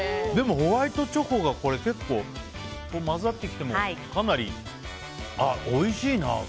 でもホワイトチョコが結構混ざってきてもかなり、おいしいな。